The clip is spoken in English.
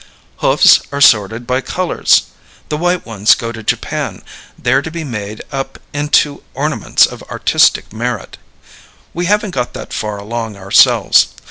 Hoofs are sorted by colors. The white ones go to Japan, there to be made up into ornaments of artistic merit. We haven't got that far along ourselves.